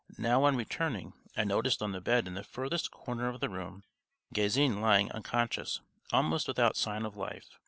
Now on returning I noticed on the bed in the furthest corner of the room Gazin lying unconscious, almost without sign of life.